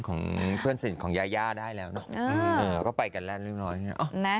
ของเพื่อนสนิทของยายาได้แล้วเนอะก็ไปกันแล้วเรียบร้อยเนี่ย